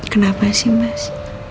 kenapa sih mas